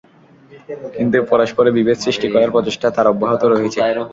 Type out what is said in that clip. কিন্তু পরস্পরে বিভেদ সৃষ্টি করার প্রচেষ্টা তার অব্যাহত রয়েছে।